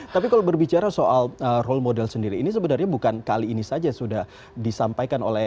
tapi kalau berbicara soal role model sendiri ini sebenarnya bukan kali ini saja sudah disampaikan oleh